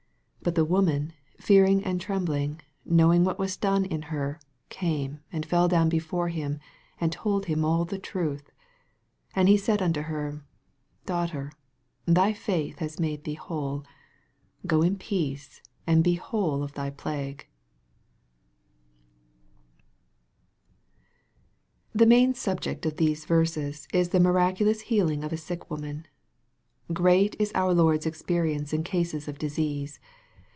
33 But the woman fearing and trembling, knowing what was done in her, came and fell down before him, and told him all the truth. 34 And he said unto her, Daughter, thy faith hath made thee whole ; go in peace and be whole of thy plague. THE main subject of these verses is the miraculous healing of a sick woman. Great is our Lord's experience in cases of disease